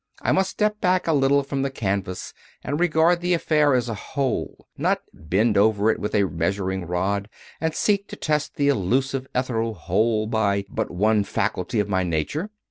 I must step back a little from the canvas and regard the affair as a whole, not bend over it with a measuring rod and seek to test the elusive ethereal whole by but one faculty of my nature.